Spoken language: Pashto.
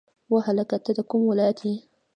وا هلکه ته د کوم ولایت یی